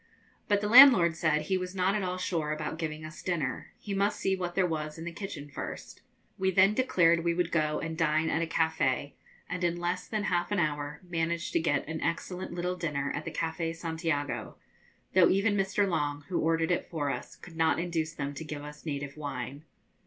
But the landlord said he was not at all sure about giving us dinner; he must see what there was in the kitchen first. We then declared we would go and dine at a cafe, and in less than half an hour managed to get an excellent little dinner at the Cafe Santiago, though even Mr. Long, who ordered it for us, could not induce them to give us native wine.